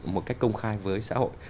một cách công khai với xã hội